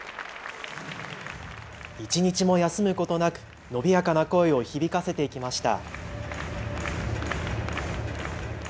一日も休むことなく伸びやかな声を響かせていきました。